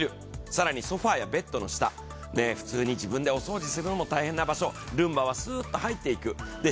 さらにソファーやベッドの下、普通に自分でお掃除するのも大変な場所、ルンバはスーッと入っていく。